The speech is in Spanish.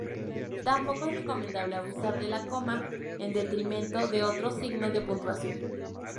Tampoco es recomendable abusar de la coma en detrimento de otros signos de puntuación.